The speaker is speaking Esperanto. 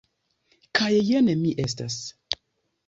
Kaj jen mi estas.